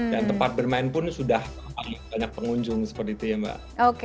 dan tempat bermain pun sudah banyak pengunjung seperti itu ya mbak